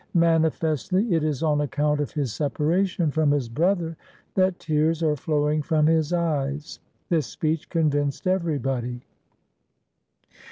Manifestly it is on account of his separation from his brother that tears are flowing from his eyes.' This speech convinced everybody.